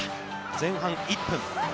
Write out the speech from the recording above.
前半１分。